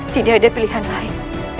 tidak ada pilihan lain